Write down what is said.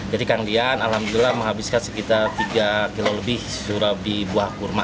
jadi kandian alhamdulillah menghabiskan sekitar tiga kilo lebih surabi buah kurma